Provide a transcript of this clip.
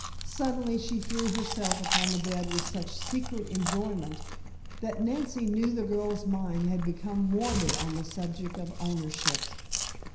Suddenly she threw herself upon the bed with such secret enjoyment, that Nancy knew the girl's mind had become morbid on the subject of ownership.